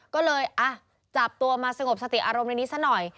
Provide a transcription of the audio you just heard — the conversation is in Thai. ก็เลยจับตัวมาสงบสติอารมณ์ในนี้ซะหน่อย